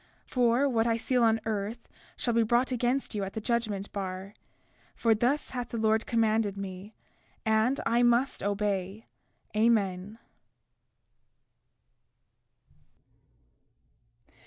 33:15 For what I seal on earth, shall be brought against you at the judgment bar; for thus hath the Lord commanded me, and I must obey. Amen.